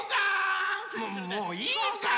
ももういいから！